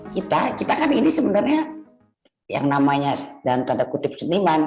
kita kita kan ini sebenarnya yang namanya dalam tanda kutip seniman